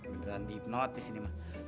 beneran di hipnotis ini mah